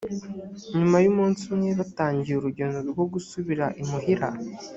nyuma y umunsi umwe batangiye urugendo rwo gusubira imuhira